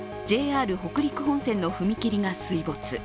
ＪＲ北陸本線の踏切が水没。